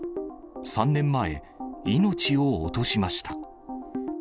３年前、命を落としました。